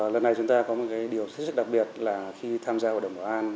lần này chúng ta có một điều rất đặc biệt là khi tham gia hội đồng bảo an